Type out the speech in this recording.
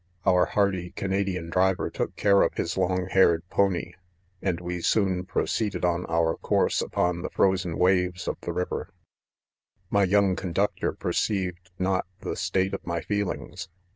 £ Our hardy Canadian driver took care of his long haired pony ; and we soon proceeded on ■ our course upon the frozen waves of the river* i My young conductor perceived not the state of my feelings.